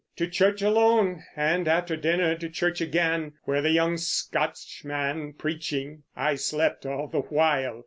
To church alone, and after dinner to church again, where the young Scotchman preaching, I slept all the while.